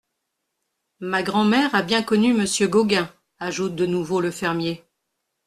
Ma grand’mère a bien connu Monsieur Gauguin, ajoute de nouveau le fermier.